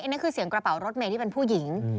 นั่นคือเสียงกระเป๋ารถเมย์ที่เป็นผู้หญิง